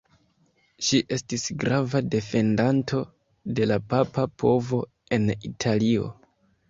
Ŝi estis grava defendanto de la papa povo en Italio.